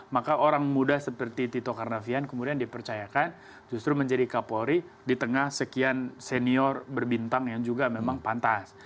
maka orang muda seperti tito karnavian kemudian dipercayakan justru menjadi kapolri di tengah sekian senior berbintang yang juga memang pantas